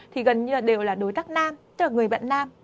thì gần như là đều là đối tác nam tức là người bận nam